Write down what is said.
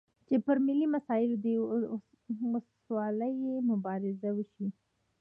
چې پر ملي مسایلو دې وسلوالې مبارزې وشي.